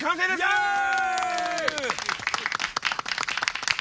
イエーイ！